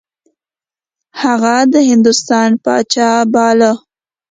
هغه د هندوستان پاچا باله.